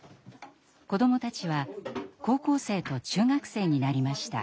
子どもたちは高校生と中学生になりました。